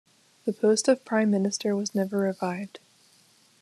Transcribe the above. The post of Prime Minister was never revived.